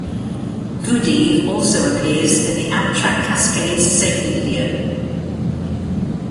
Goodeve also appears in the Amtrak Cascades safety video.